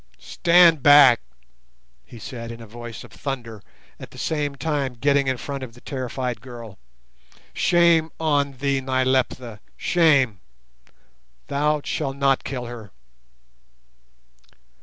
"Stand back," he said in a voice of thunder, at the same time getting in front of the terrified girl. "Shame on thee, Nyleptha—shame! Thou shalt not kill her."